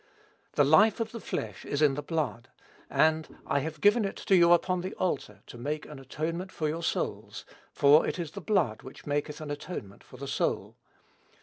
"The life of the flesh is in the blood, and I have given it to you upon the altar to make an atonement for your souls: for it is the blood which maketh an atonement for the soul."